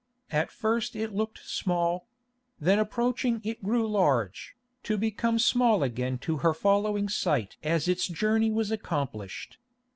At first it looked small; then approaching it grew large, to become small again to her following sight as its journey was accomplished.